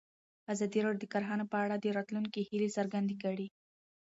ازادي راډیو د کرهنه په اړه د راتلونکي هیلې څرګندې کړې.